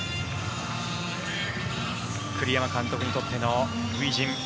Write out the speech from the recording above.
栗山監督にとっての初陣